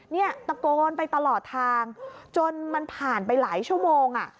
เนี่ยตะโกนไปตลอดทางจนมันผ่านไปหลายชั่วโมง